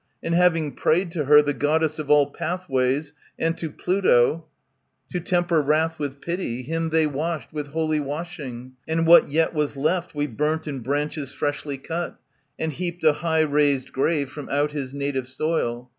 And, having prayed to her, The Goddess of all pathways,^ and to Pluto, ^'^^ To temper wrath with pity, him they washed With holy washing; and what yet was left We burnt in branches freshly cut, and heaped A high raised grave from out his native soil.